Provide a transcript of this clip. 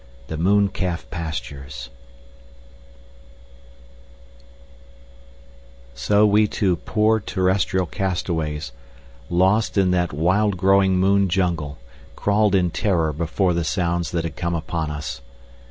XI. The Mooncalf Pastures So we two poor terrestrial castaways, lost in that wild growing moon jungle, crawled in terror before the sounds that had come upon us.